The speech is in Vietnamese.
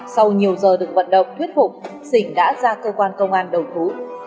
sau nhiều giờ được vận động thuyết phục sỉnh đã ra cơ quan công an đầu thú